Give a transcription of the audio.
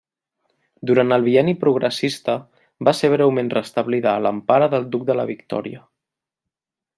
Durant el Bienni Progressista va ser breument restablida a l'empara del Duc de la Victòria.